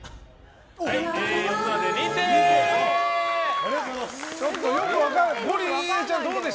ありがとうございます。